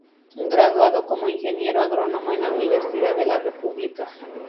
Graduado como ingeniero agrónomo en la Universidad de la República.